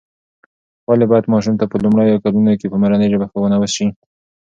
ولې باید ماشوم ته په لومړیو کلونو کې په مورنۍ ژبه ښوونه وسي؟